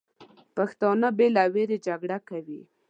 پښتانه بې له ویرې جګړه کوي.